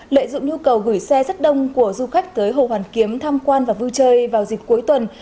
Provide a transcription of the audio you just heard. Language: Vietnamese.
lợi dụng nhu cầu gửi xe rất đông của du khách tới hồ hoàn kiếm tham quan và vui chơi vào dịp cuối tuần